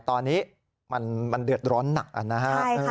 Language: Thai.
ตอนนี้มันเดือดร้อนหนักนะฮะ